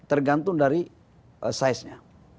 tergantung dari size nya